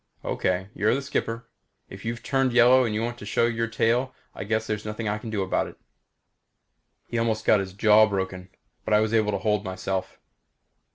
"Okay you're the skipper. If you've turned yellow and want to show your tail I guess there's nothing I can do about it." He almost got his jaw broken, but I was able to hold myself.